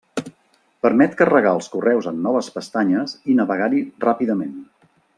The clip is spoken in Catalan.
Permet carregar els correus en noves pestanyes i navegar-hi ràpidament.